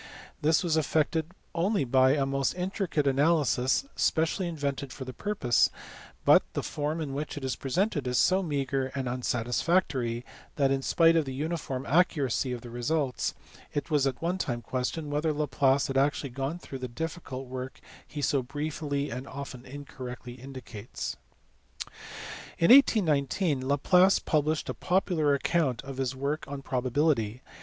This was effected only by a most intricate analysis specially invented for the purpose, but the form in which it is presented is so meagre and unsatisfactory that in spite of the uniform accuracy of the results it was at one time questioned whether Laplace had actually gone through the difficult work he so briefly and often incorrectly indicates. In 1819 Laplace published a popular account of his work on probability.